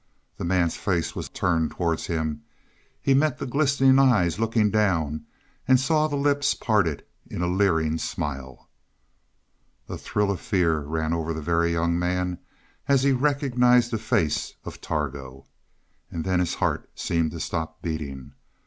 The man's face was turned towards him; he met the glistening eyes looking down and saw the lips parted in a leering smile. A thrill of fear ran over the Very Young Man as he recognized the face of Targo. And then his heart seemed to stop beating.